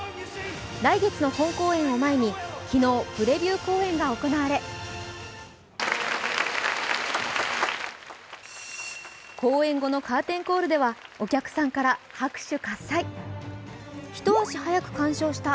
来月の本公演を前に昨日プレビュー公演が行われ公演後のカーテンコールではお客さんから拍手喝采。